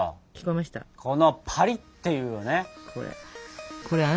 このパリッていうね音よ。